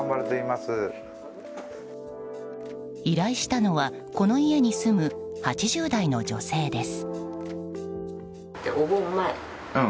依頼したのはこの家に住む８０代の女性です。